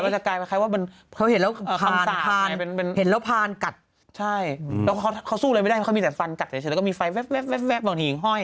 ใช่เขาสู้เลยไม่ได้เขามีแสดงฟ้นกัดใส่เฉยแล้วมีไฟแว๊บหว่างหิงห้อย